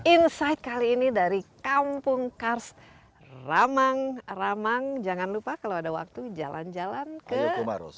insight kali ini dari kampung kars ramang ramang jangan lupa kalau ada waktu jalan jalan ke